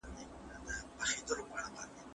ایا کورني سوداګر انځر صادروي؟